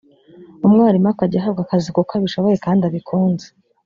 umwarimu akajya ahabwa akazi kuko abishoboye kandi abikunze”